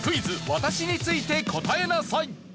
私について答えなさい」。